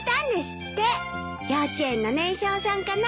幼稚園の年少さんかな？